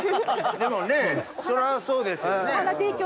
でもねそらそうですよね。